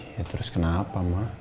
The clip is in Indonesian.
ya terus kenapa ma